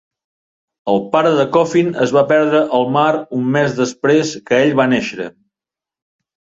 El pare de Coffin es va perdre al mar un mes després que ell va néixer.